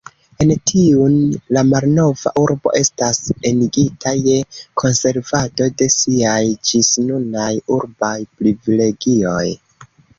En tiun la malnova urbo estas enigita je konservado de siaj ĝisnunaj urbaj privilegioj.